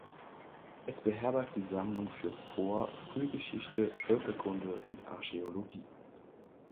Es beherbergt die Sammlung für Vor-, Frühgeschichte, Völkerkunde und Archäologie.